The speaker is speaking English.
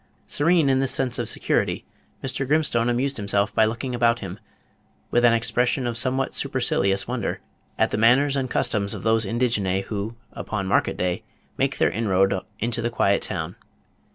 Serene in this sense of security, Mr. Grimstone amused himself by looking about him, with an expression of somewhat supercilious wonder, at the manners and customs of those indigenæ who, upon market day, make their inroad into the quiet town.